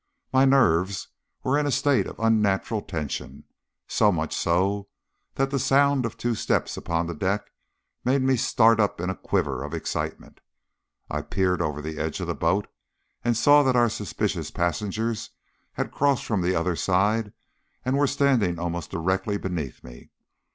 My nerves were in a state of unnatural tension, so much so that the sound of two steps upon the deck made me start up in a quiver of excitement. I peered over the edge of the boat, and saw that our suspicious passengers had crossed from the other side, and were standing almost directly beneath me.